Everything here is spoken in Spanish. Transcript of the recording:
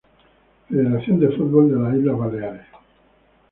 Federación de Fútbol de las Islas Baleares